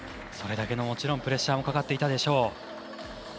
それだけのプレッシャーもかかっていたでしょう。